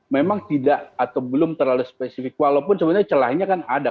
memang tidak atau belum terlalu spesifik walaupun sebenarnya celahnya kan ada